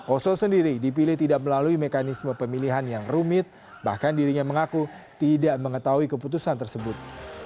oso sendiri dipilih tidak melalui mekanisme pemilihan yang rumit bahkan dirinya mengaku tidak mengetahui keputusan tersebut